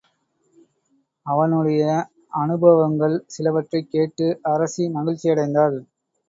அவனுடைய அநுபவங்கள் சிலவற்றைக் கேட்டு அரசி மகிழ்ச்சியடைந்தாள்.